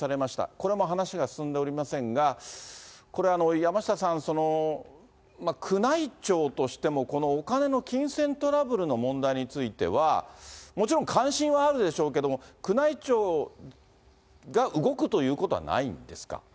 これも話が進んでおりませんが、これは山下さん、宮内庁としても、このお金の金銭トラブルの問題については、もちろん、関心はあるでしょうけれども、宮内庁が動くということはないんですか。